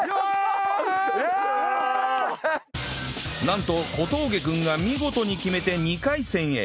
なんと小峠君が見事に決めて２回戦へ